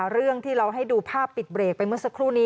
เรื่องที่เราให้ดูภาพปิดเบรกไปเมื่อสักครู่นี้